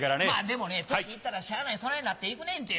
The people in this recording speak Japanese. でもね年行ったらしゃあないそないなって行くねんて。